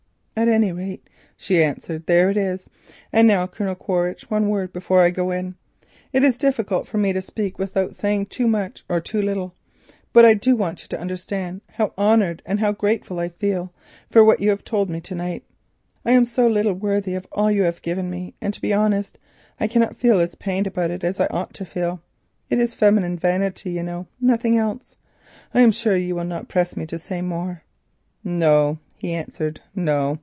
"At any rate," she answered, "there it is. And now, Colonel Quaritch, one word before I go in. It is difficult for me to speak without saying too much or too little, but I do want you to understand how honoured and how grateful I feel for what you have told me to night—I am so little worthy of all you have given me, and to be honest, I cannot feel as pained about it as I ought to feel. It is feminine vanity, you know, nothing else. I am sure that you will not press me to say more." "No," he answered, "no.